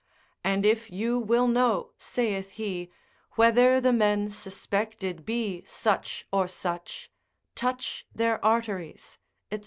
And if you will know, saith he, whether the men suspected be such or such, touch their arteries, &c.